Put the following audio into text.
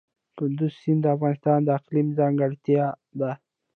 کندز سیند د افغانستان د اقلیم ځانګړتیا ده.